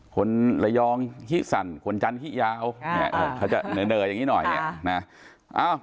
คนระยองขี้สั่นคนจันขี้ยาวเนี่ยเขาจะเนออย่างนี้หน่อยเนี่ย